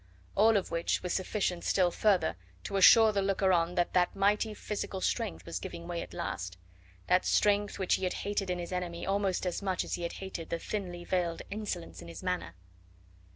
All of which was sufficient still further to assure the looker on that that mighty physical strength was giving way at last, that strength which he had hated in his enemy almost as much as he had hated the thinly veiled insolence of his manner.